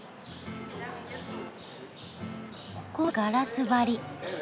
ここはガラス張り。